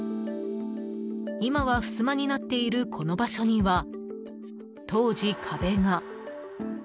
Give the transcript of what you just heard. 今はふすまになっているこの場所には当時、壁が。